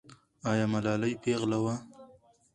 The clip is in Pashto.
آیا ملالۍ پېغله وه؟